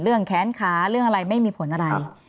เรื่องแค้นค้าเรื่องอะไรไม่มีผลอะไร